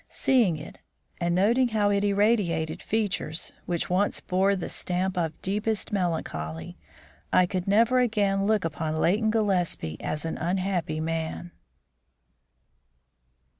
Seeing it, and noting how it irradiated features which once bore the stamp of deepest melancholy, I could never again look upon Leighton Gillespie as an unhappy man.